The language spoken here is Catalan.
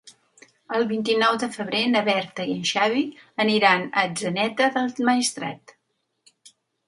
El vint-i-nou de febrer na Berta i en Xavi aniran a Atzeneta del Maestrat.